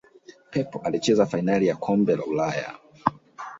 pep alicheza fainali ya kombe la ulaya